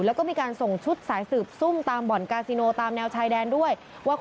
แล้วก็มีการส่งชุดสายสืบซุ่มตามบ่อนกาซิโนตามแนวชายแดนด้วยว่า